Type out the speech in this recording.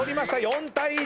４対１！